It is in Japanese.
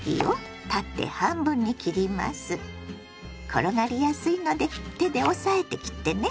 転がりやすいので手で押さえて切ってね。